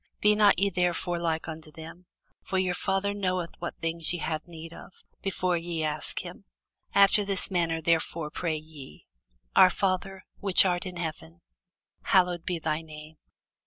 Be not ye therefore like unto them: for your Father knoweth what things ye have need of, before ye ask him. After this manner therefore pray ye: Our Father which art in heaven, Hallowed be thy name.